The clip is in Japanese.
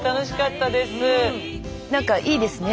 何かいいですね。